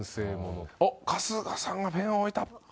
おっ春日さんがペンを置いた。